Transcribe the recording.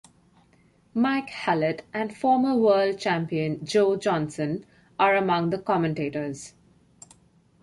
Mike Hallett and former world champion Joe Johnson are among the commentators.